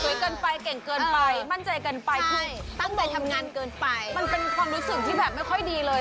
เกินไปเก่งเกินไปมั่นใจเกินไปคือตั้งใจทำงานเกินไปมันเป็นความรู้สึกที่แบบไม่ค่อยดีเลย